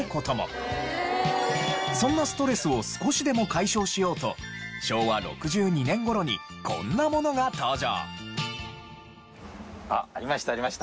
そんなストレスを少しでも解消しようと昭和６２年頃にこんなものが登場。